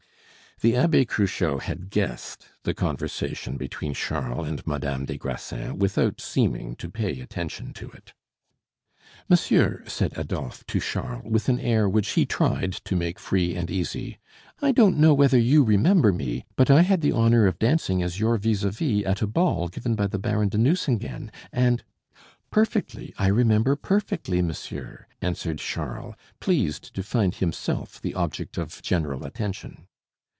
The Abbe Cruchot had guessed the conversation between Charles and Madame des Grassins without seeming to pay attention to it. "Monsieur," said Adolphe to Charles with an air which he tried to make free and easy, "I don't know whether you remember me, but I had the honor of dancing as your vis a vis at a ball given by the Baron de Nucingen, and " "Perfectly; I remember perfectly, monsieur," answered Charles, pleased to find himself the object of general attention.